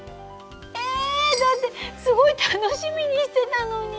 えだってすごい楽しみにしてたのに！